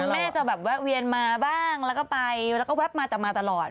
เธอจะแบบเวียนมาบ้างแล้วก็ไปแล้วแบบมาจะมาตลอด